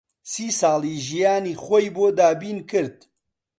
سی ساڵی ژیانی خۆی بۆ دابین کرد